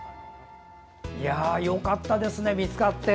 よかったですね見つかって。